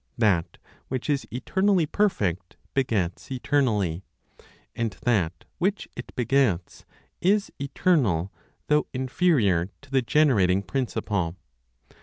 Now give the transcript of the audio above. That which is eternally perfect begets eternally; and that which it begets is eternal though inferior to the generating principle.